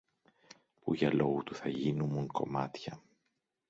που για λόγου του θα γίνουμουν κομμάτια!